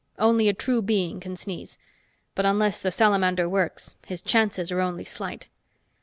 Only a true being can sneeze. But unless the salamander works, his chances are only slight."